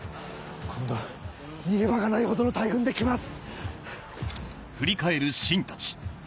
今度は逃げ場がないほどの大軍で来ます。